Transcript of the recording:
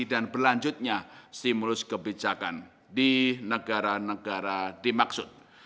dan berlanjutnya stimulus kebijakan di negara negara dimaksud